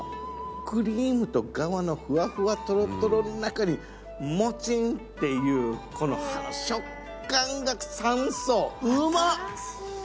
クリームとガワのふわふわとろとろの中にもちん！っていうこの食感が三層！